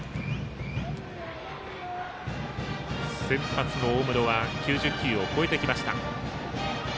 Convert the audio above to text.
先発の大室は９０球を超えてきました。